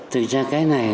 thực ra cái này